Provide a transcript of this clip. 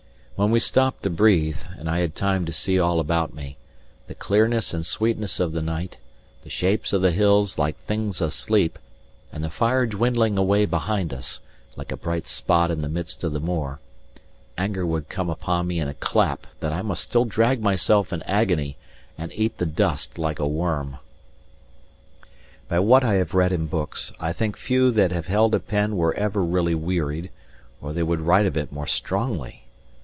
When we stopped to breathe, and I had time to see all about me, the clearness and sweetness of the night, the shapes of the hills like things asleep, and the fire dwindling away behind us, like a bright spot in the midst of the moor, anger would come upon me in a clap that I must still drag myself in agony and eat the dust like a worm. By what I have read in books, I think few that have held a pen were ever really wearied, or they would write of it more strongly.